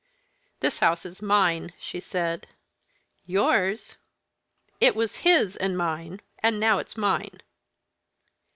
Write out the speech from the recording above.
"This house is mine," she said. "Yours?" "It was his, and mine and now it's mine."